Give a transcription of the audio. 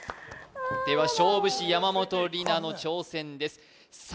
では勝負師山本里菜の挑戦です